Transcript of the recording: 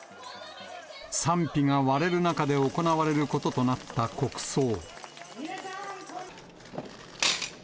賛否が割れる中で行われることとなった国葬。